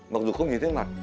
mặc dù không nhìn thấy mặt